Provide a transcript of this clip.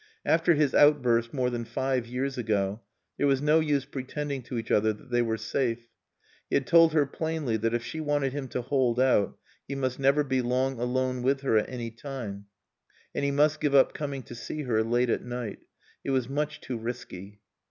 After his outburst, more than five years ago, there was no use pretending to each other that they were safe. He had told her plainly that, if she wanted him to hold out, he must never be long alone with her at any time, and he must give up coming to see her late at night. It was much too risky.